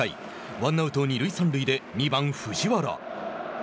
ワンアウト、二塁三塁で二番藤原。